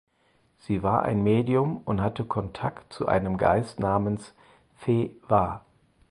Sie war ein Medium und hatte Kontakt zu einem Geist namens "Fee Wah".